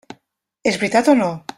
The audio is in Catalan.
És veritat o no?